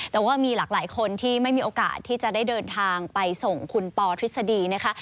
แต่ว่ามีหลากหลายคนที่ไม่มีโอกาสที่จะได้เดินทางไปส่งคุณปอทฤษฎีนะคะ